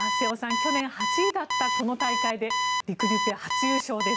去年８位だったこの大会でりくりゅうペア初優勝です。